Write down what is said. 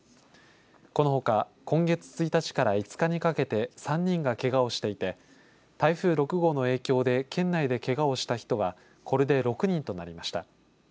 このほか今月１日から５日にかけて３人がけがをしていて台風６号の影響で県内でけがをした人はこれで６人となりました。